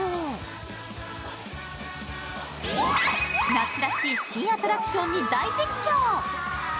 夏らしい新アトラクションに大熱狂。